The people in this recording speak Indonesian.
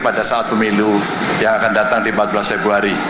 pada saat pemilu yang akan datang di empat belas februari